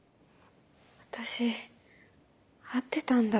私会ってたんだ。